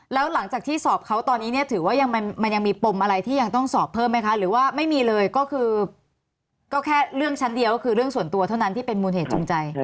แล้วหลังจากที่สอบเขาตอนนี้เนี่ยถือว่ายังมันยังมีปมอะไรที่ยังต้องสอบเพิ่มไหมคะหรือว่าไม่มีเลยก็คือก็แค่เรื่องชั้นเดียวก็คือเรื่องส่วนตัวเท่านั้นที่เป็นมูลเหตุจูงใจ